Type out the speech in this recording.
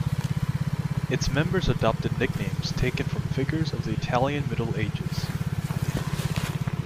Its members adopted nicknames taken from figures of the Italian Middle Ages.